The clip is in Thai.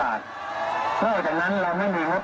และที่ว่า๒๐ล้านเราไม่มีนะครับ